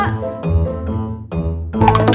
terima kasih pak ustadz